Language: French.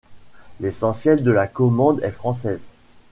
L'essentiel de la commande est française.